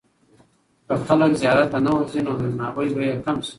که خلک زیارت ته نه ورځي، نو درناوی به یې کم سي.